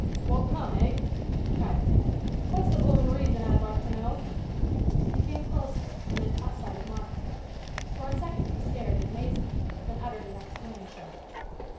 "Won't come, eh?" cried the man. "What's the bloomin' reason, I'd like to know?" He came closer and then caught sight of Margaret. For a second he stared in amazement; then uttered an exclamation.